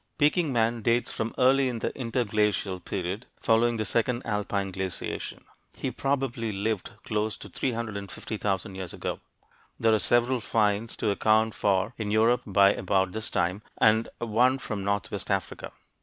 Peking man dates from early in the interglacial period following the second alpine glaciation. He probably lived close to 350,000 years ago. There are several finds to account for in Europe by about this time, and one from northwest Africa.